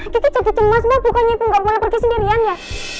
kiki cemas cemas mbak bukannya ibu gak boleh pergi sendirian ya